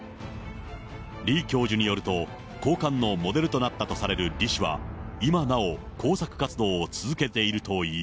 李教授によると、高官のモデルとなったとされるリ氏は今なお、工作活動を続けているといい。